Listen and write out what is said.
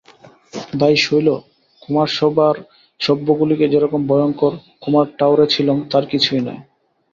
ভাই শৈল, কুমারসভার সভ্যগুলিকে যেরকম ভয়ংকর কুমার ঠাউরেছিলুম তার কিছুই নয়।